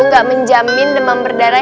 gak menjamin demam berdarah